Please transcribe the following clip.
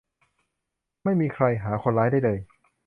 ไม่มีใครหาคนร้ายได้เลย